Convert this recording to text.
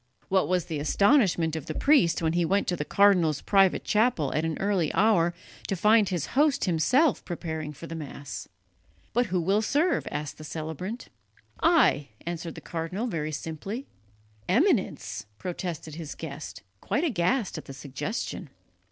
What was the astonishment of the priest when he went to the cardinal's private chapel at an early hour to find his host himself preparing for the Mass. "But who will serve?" asked the celebrant. "I," answered the cardinal very simply. "Eminence!" protested his guest, quite aghast at the suggestion.